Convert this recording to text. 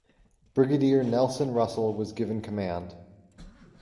Brigadier Nelson Russell was given command.